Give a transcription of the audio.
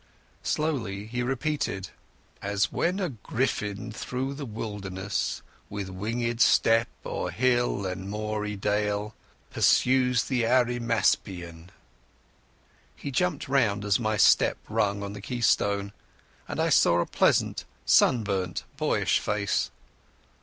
Slowly he repeated— As when a Gryphon through the wilderness With wingèd step, o'er hill and moory dale Pursues the Arimaspian. He jumped round as my step rung on the keystone, and I saw a pleasant sunburnt boyish face.